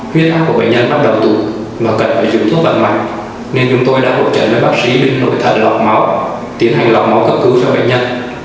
huyết tắc của bệnh nhân bắt đầu tụt và cần phải dùng thuốc vận mạnh nên chúng tôi đã hộp trận với bác sĩ binh nội thận lọc máu tiến hành lọc máu cấp cứu cho bệnh nhân